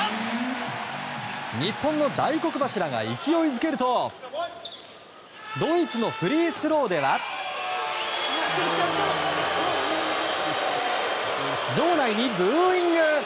日本の大黒柱が勢いづけるとドイツのフリースローでは。場内にブーイング。